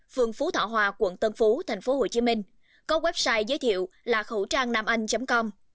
phường phú thọ hòa quận tân phú tp hcm có website giới thiệu là khẩutrangnamanh com